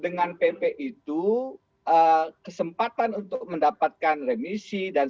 bung reinhardt pp ini terkenal sekali di narapidana tindak kebenaran